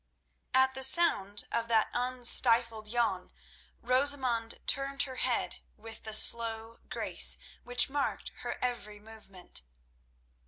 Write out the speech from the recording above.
At the sound of that unstifled yawn, Rosamund turned her head with the slow grace which marked her every movement.